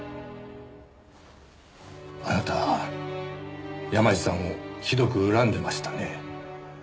あなた山路さんをひどく恨んでましたね。